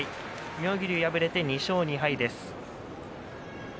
妙義龍、敗れて２勝２敗です。